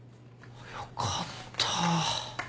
よかった。